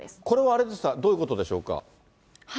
これはあれですか、どういうことでしょうか？